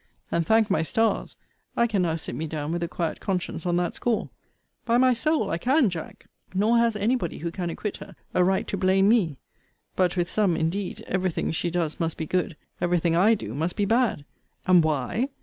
And, thank my stars, I can now sit me down with a quiet conscience on that score. By my soul, I can, Jack. Nor has any body, who can acquit her, a right to blame me. But with some, indeed, every thing she does must be good, every thing I do must be bad And why?